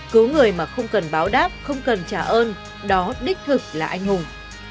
cứu người mà không cần báo đáp không cần trả ơn đó đích thực là anh hùng